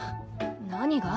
何が？